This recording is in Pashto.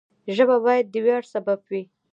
ژبه باید د ویاړ سبب وي.